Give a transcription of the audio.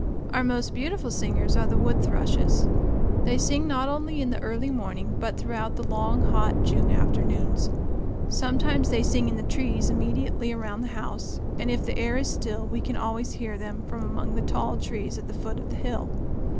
Our most beautiful singers are the wood thrushes; they sing not only in the early morning but throughout the long hot June afternoons. Sometimes they sing in the trees immediately around the house, and if the air is still we can always hear them from among the tall trees at the foot of the hill.